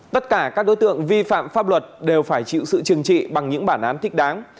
tất cả các đối tượng vi phạm pháp luật đều phải chịu sự trừng trị bằng những bản án thích đáng